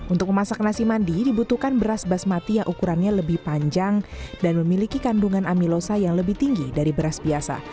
untuk memasak nasi mandi dibutuhkan beras basmati yang ukurannya lebih panjang dan memiliki kandungan amilosa yang lebih tinggi dari beras biasa